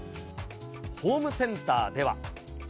ホームセンターでは。